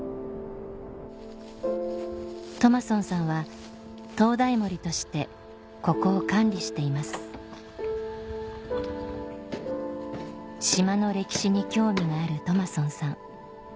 トマソンさんは灯台守としてここを管理しています島の歴史に興味があるトマソンさん